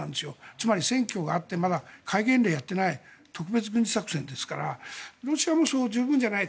つまり、選挙があってまだ戒厳令やってない特別軍事作戦ですからロシアもそう十分じゃない。